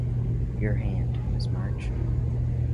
Your hand, Miss March!